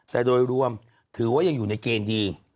แต่โดยรวมถือว่ายังอยู่ในเกณฑ์ดี